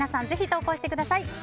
ぜひ投稿してください。